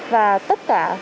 và tất cả